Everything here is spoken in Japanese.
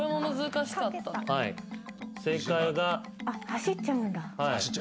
・走っちゃうんだ。